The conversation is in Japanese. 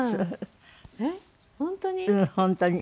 えっ本当に？